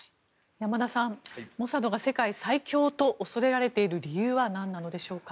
山田さんモサドが世界最恐と恐れられている理由はなんなのでしょうか。